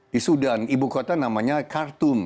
di sudan ibu kota namanya khartum